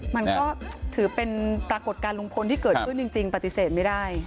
มันก็ถือเป็นปรากฏการณ์ลุงพลที่เกิดขึ้นจริงปฏิเสธไม่ได้